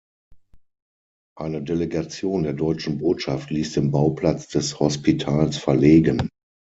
Eine Delegation der Deutschen Botschaft ließ den Bauplatz des Hospitals verlegen.